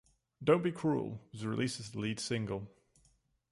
"Don't Be Cruel" was released as the lead single.